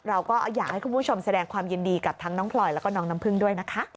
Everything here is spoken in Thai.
เราก็อยากให้คุณผู้ชมแสดงความยินดีกับทั้งน้องพลอยแล้วก็น้องน้ำพึ่งด้วยนะคะ